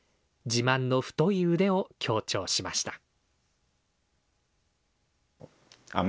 自慢の太い腕を強調しました。